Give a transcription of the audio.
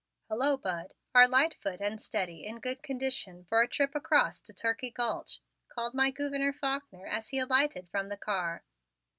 "Hello, Bud. Are Lightfoot and Steady in good condition for a trip across to Turkey Gulch?" called my Gouverneur Faulkner as he alighted from the car.